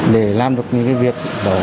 để làm được những việc